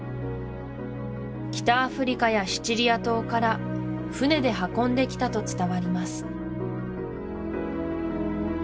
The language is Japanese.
北アフリカやシチリア島から船で運んできたと伝わります